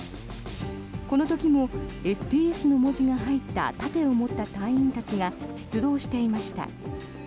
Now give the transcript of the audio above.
この時もＳＴＳの文字が入った盾を持った隊員たちが出動していました。